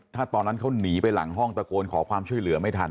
ถ้าตอนนั้นเขาหนีไปหลังห้องตะโกนขอความช่วยเหลือไม่ทัน